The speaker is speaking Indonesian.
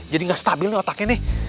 jadi gak stabil otaknya nih